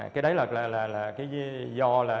cái đấy là do